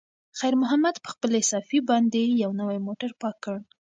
خیر محمد په خپلې صافې باندې یو نوی موټر پاک کړ.